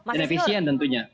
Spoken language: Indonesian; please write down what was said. dan efisien tentunya